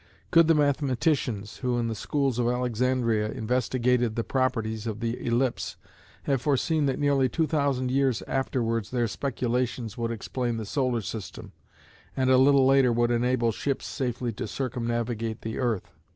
Could the mathematicians, who, in the schools of Alexandria, investigated the properties of the ellipse, have foreseen that nearly two thousand years afterwards their speculations would explain the solar system, and a little later would enable ships safely to circumnavigate the earth?